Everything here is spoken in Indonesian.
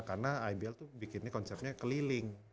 karena ibl tuh bikinnya konsepnya keliling